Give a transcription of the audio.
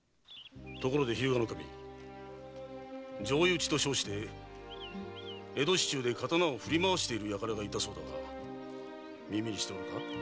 ところで日向守上意討ちと称して江戸市中で刀を振り回している輩がいたそうだが耳にしておるか？